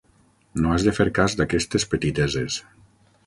No has de fer cas d'aquestes petiteses.